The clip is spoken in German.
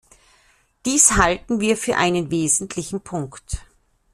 Dies halten wir für einen wesentlichen Punkt.